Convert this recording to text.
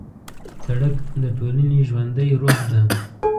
سړک د ټولنې ژوندی روح دی.